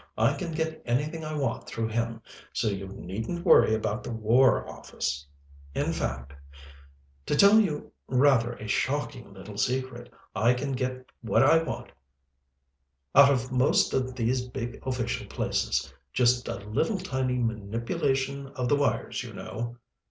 I can get anything I want through him, so you needn't worry about the War Office. In fact, to tell you rather a shocking little secret, I can get what I want out of most of these big official places just a little tiny manipulation of the wires, you know.